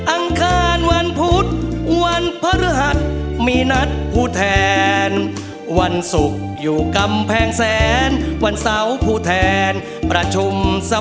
อังคารวันพุธวันพระฤหัสมีนัดผู้แทนวันศุกร์อยู่กำแพงแสนวันเสาร์ผู้แทนประชุม